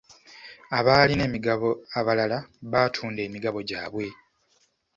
Abaalina emigabo abalala baatunda emigabo gyabwe.